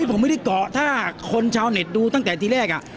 ผมไม่ได้เกาะถ้าคนชาวเน็ตดูตั้งแต่ที่แรก